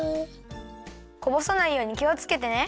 こぼさないようにきをつけてね。